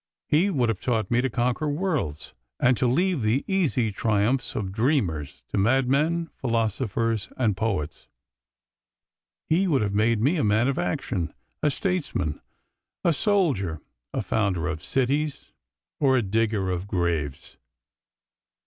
He would have taught me to conquer worlds, and to leave the easy triumphs of dreamers to madmen, philosophers, and poets. He would have made me a man of action, a statesman, a soldier, a founder of cities or a digger of graves.